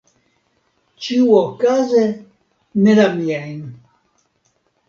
Ĉiuokaze ne la miajn.